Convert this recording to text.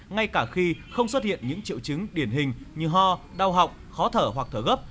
ngay cả khi không xuất hiện những triệu chứng điển hình như ho đau họng khó thở hoặc thở gấp